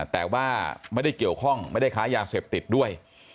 แต่ว่าไม่ได้เกี่ยวข้องไม่ได้ค้ายาเสพติดด้วย